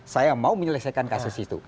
saya mau menyelesaikan kasus itu